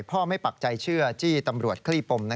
พ่อไม่ปักใจเชื่อจี้ตำรวจคลี่ปม